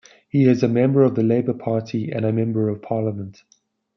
He is a member of the Labour Party and a Member of Parliament.